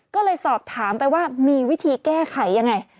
ก็เลยสอบถามไปว่ามีวิธีแก้ไขยังไง